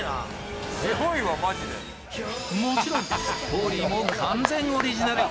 もちろん、ストーリーも完全オリジナル。